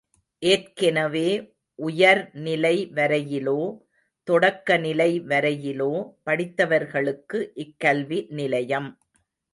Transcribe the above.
ஏற்கெனவே, உயர்நிலை வரையிலோ தொடக்க நிலை வரையிலோ படித்தவர்களுக்கு இக்கல்வி நிலையம்.